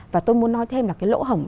và tôi muốn nói thêm là cái lỗ hổng